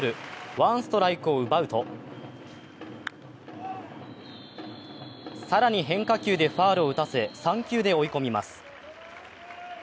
ワンストライクを奪うと更に変化球でファウルを打たせ３球で追い込みます。